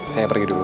saya pergi dulu